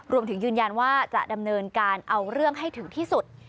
ยืนยันว่าจะดำเนินการเอาเรื่องให้ถึงที่สุด